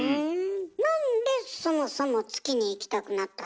なんでそもそも月に行きたくなったの？